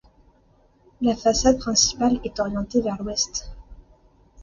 La façade principale est orientée vers l'ouest.